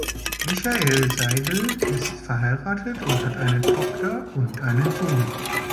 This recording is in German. Michael Seidel ist verheiratet und hat eine Tochter und einen Sohn.